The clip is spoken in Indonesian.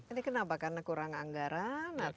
ini kenapa karena kurang anggaran